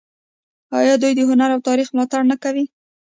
آیا دوی د هنر او تاریخ ملاتړ نه کوي؟